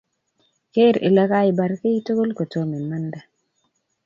Ker ile kaibar kiy tukul kotomo imande